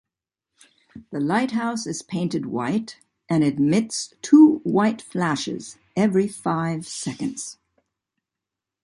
The lighthouse is painted white and emits two white flashes every five seconds.